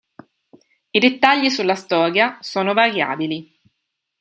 I dettagli sulla storia sono variabili.